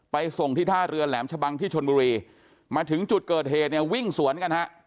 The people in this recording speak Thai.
ส่งที่ท่าเรือแหลมชะบังที่ชนบุรีมาถึงจุดเกิดเหตุเนี่ยวิ่งสวนกันฮะ